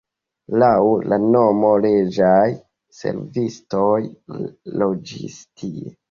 Laŭ la nomo reĝaj servistoj loĝis tie.